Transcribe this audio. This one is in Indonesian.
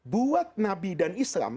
buat nabi dan islam